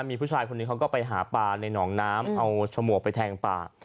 มีผู้ชายคนนี้เขาก็ไปหาปลาในหนองน้ำเอาฉมวกไปแทงปลา